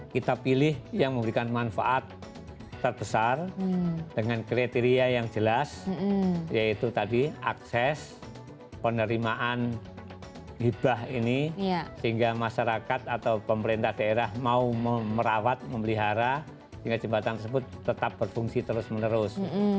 kita pilih yang memberikan manfaat terbesar dengan kriteria yang jelas yaitu tadi akses penerimaan hibah ini sehingga masyarakat atau pemerintah daerah mau merawat memelihara hingga jembatan tersebut tetap berfungsi terus menerus